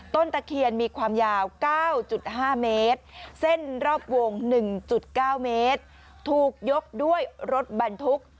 ตะเคียนมีความยาว๙๕เมตรเส้นรอบวง๑๙เมตรถูกยกด้วยรถบรรทุก